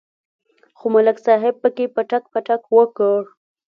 خو ملک صاحب پکې پټک پټک وکړ.